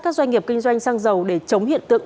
các doanh nghiệp kinh doanh sang giàu để chống hiện tượng